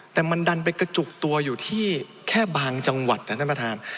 แต่มันดันไปกระจุกตัวอยู่ที่แค่บางจังหวัดนะท่านประธาน